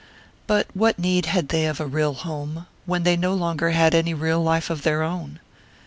But what need had they of a real home, when they no longer had any real life of their own?